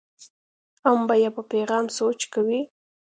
هم به یې په پیغام سوچ کوي.